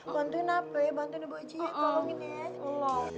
bantuin apa ya bantuin di bawah ici ya